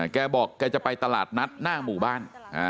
แกบอกแกจะไปตลาดนัดหน้าหมู่บ้าน